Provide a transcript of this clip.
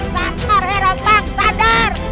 sadar he rompang sadar